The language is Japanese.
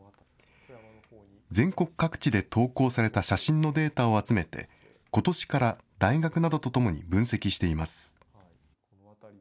全国各地で投稿された写真のデータを集めて、ことしから大学などとともに分析しています。